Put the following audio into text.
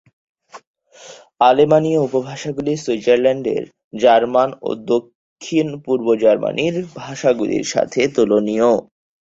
আলেমানীয় উপভাষাগুলি সুইজারল্যান্ডের জার্মান ও দক্ষিণ-পূর্ব জার্মানির ভাষাগুলির সাথে তুলনীয়।